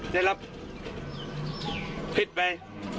จะรับพิษไป